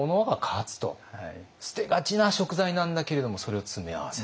捨て「ガチ」な食材なんだけれどもそれを詰め合わせた。